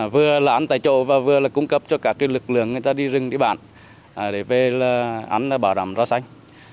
vừa là ăn tại chỗ và vừa là cung cấp cho cả cái lực lượng người ta đi rừng đi bản để về là ăn bảo đảm rau xanh